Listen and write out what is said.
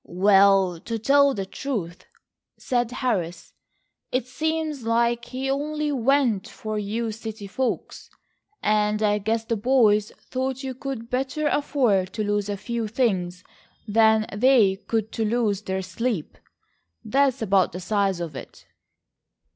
"Well, to tell the truth," said Harris, "it seems like he only went for you city folks, and I guess the boys thought you could better afford to lose a few things than they could to lose their sleep. That's about the size of it."